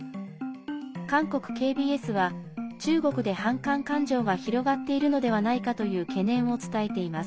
韓国ＫＢＳは中国で反韓感情が広がっているのではないかという懸念を伝えています。